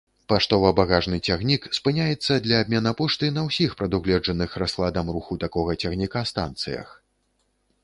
Паштова-багажны цягнік спыняецца для абмена пошты на ўсіх прадугледжаных раскладам руху такога цягніка станцыях.